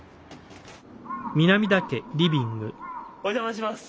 お邪魔します。